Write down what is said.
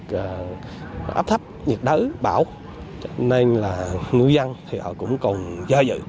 nhiệt độ áp thấp nhiệt đá bão cho nên là ngư dân thì họ cũng còn do dự